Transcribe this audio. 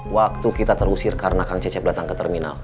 waktu kita terusir karena kang cecep datang ke terminal